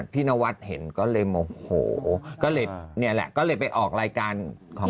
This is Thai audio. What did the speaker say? พี่นวัดเห็นก็เลยโอ้โหนี่แหละก็เลยไปออกรายการของ